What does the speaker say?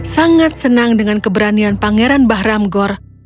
sangat senang dengan keberanian pangeran bahram gor